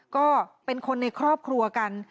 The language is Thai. ก็เป็นคนในครอบครัวกัน